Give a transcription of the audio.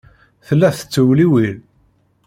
Tella tettewliwil.